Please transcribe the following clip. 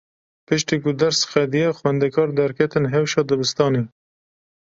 Piştî ku ders qediya, xwendekar derketin hewşa dibistanê.